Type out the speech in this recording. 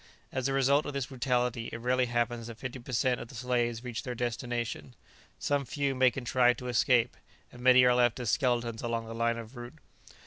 As the result of this brutality it rarely happens that fifty per cent of the slaves reach their destination; some few may contrive to escape, and many are left as skeletons along the line of route.